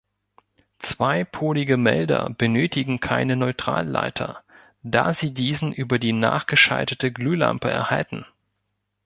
Zweipolige Melder benötigen keinen Neutralleiter, da sie diesen über die nachgeschaltete Glühlampe erhalten.